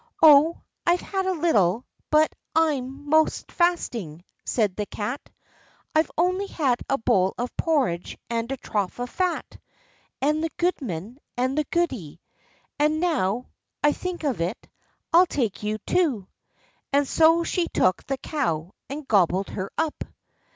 "Oh, I've had a little, but I'm 'most fasting," said the Cat; "I've only had a bowl of porridge, and a trough of fat, and the goodman, and the goody—and, now I think of it, I'll take you too," and so she took the cow and gobbled her up.